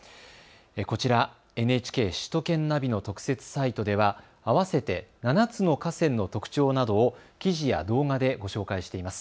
こちらＮＨＫ首都圏ナビの特設サイトでは合わせて７つの河川の特徴などを記事や動画でご紹介しています。